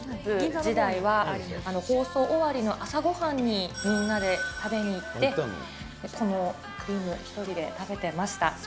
時代は放送終わりの朝ごはんにみんなで食べに行って、このクリーム、１人で食べてました。